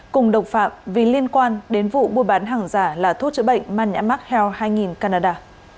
cùng độc phạm vì liên quan đến vụ buôn bán hàng giả là thuốc chữa bệnh mania mark health hai nghìn canada